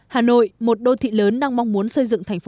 hà nội một đô thị lớn đang mong muốn xây dựng thành phố